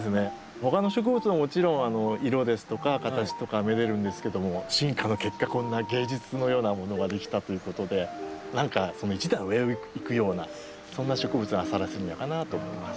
他の植物ももちろん色ですとか形とかめでるんですけども進化の結果こんな芸術のようなものができたということでその一段上をいくようなそんな植物がサラセニアかなと思います。